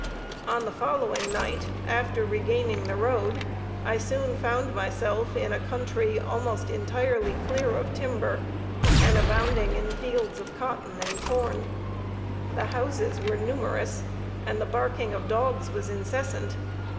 On the following night, after regaining the road, I soon found myself in a country almost entirely clear of timber, and abounding in fields of cotton and corn. The houses were numerous, and the barking of dogs was incessant.